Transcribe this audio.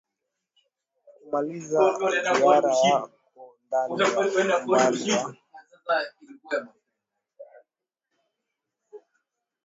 kumaliza ziara yako ndani ya umbali wa